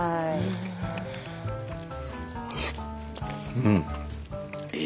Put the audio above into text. うん！